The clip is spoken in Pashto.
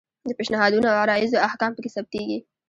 د پیشنهادونو او عرایضو احکام پکې ثبتیږي.